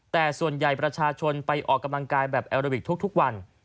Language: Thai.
แต่ส่วนใหญ่ประชาชนไปออกกำลังกายแบบแอลวิกทุกวัน